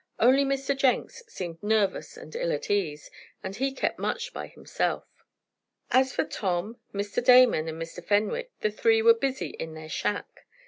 Only Mr. Jenks seemed nervous and ill at ease, and he kept much by himself. As for Tom, Mr. Damon and Mr. Fenwick, the three were busy in their shack.